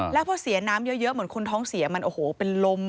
แล้วพอเสียน้ำเยอะเหมือนคนท้องเสียมันโอ้โหเป็นลม